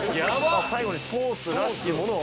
最後にソースらしきものを。